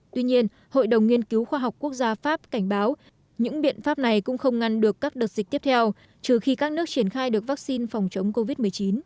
tuy nhiên hội đồng nghiên cứu khoa học quốc gia pháp cảnh báo những biện pháp này cũng không ngăn được các đợt dịch tiếp theo trừ khi các nước triển khai được vaccine phòng chống covid một mươi chín